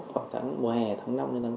khoảng tháng mùa hè tháng năm đến tháng tám